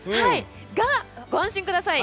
が、ご安心ください。